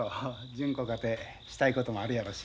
純子かてしたいこともあるやろし。